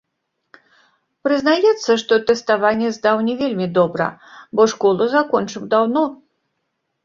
Прызнаецца, што тэставанне здаў не вельмі добра, бо школу закончыў даўно.